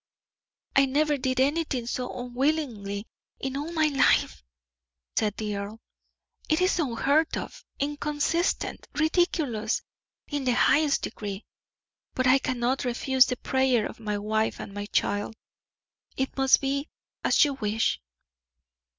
"I never did anything so unwillingly in all my life," said the earl; "it is unheard of, inconsistent, ridiculous in the highest degree; but I cannot refuse the prayer of my wife and child; it must be as you wish."